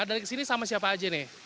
dari kesini sama siapa aja nih